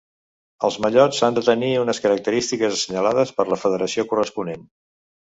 Els mallots han de tenir unes característiques assenyalades per la federació corresponent.